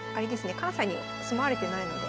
関西に住まわれてないので。